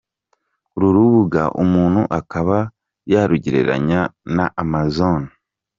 Uru rubuga umuntu akaba yarugereranya na amazon.